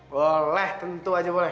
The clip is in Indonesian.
boleh tentu aja boleh